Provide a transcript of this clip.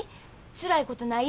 つらいことない？